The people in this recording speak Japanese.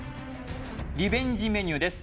リベンジメニューです